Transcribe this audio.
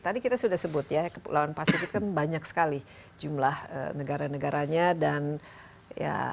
tadi kita sudah sebut ya kepulauan pasifik itu kan banyak sekali jumlah negara negaranya dan ya